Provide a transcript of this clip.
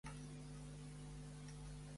Sho Kagami